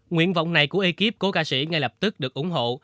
nguyện vọng này của ekip của ca sĩ ngay lập tức được ủng hộ